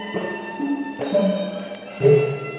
สวัสดีครับทุกคน